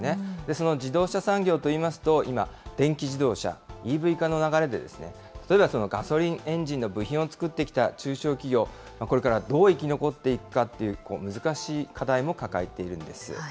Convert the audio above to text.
その自動車産業といいますと、今、電気自動車・ＥＶ化の流れで、例えばガソリンエンジンの部品を作ってきた中小企業、これからどう生き残っていくかという、難しい課題も抱えているんです。